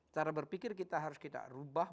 cara berpikir kita harus kita rubah